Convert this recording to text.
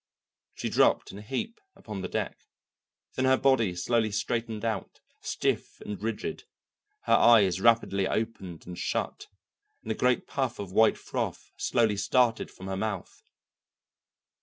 She dropped in a heap upon the deck, then her body slowly straightened out, stiff and rigid, her eyes rapidly opened and shut, and a great puff of white froth slowly started from her mouth.